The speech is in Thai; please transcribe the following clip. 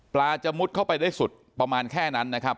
จะมุดเข้าไปได้สุดประมาณแค่นั้นนะครับ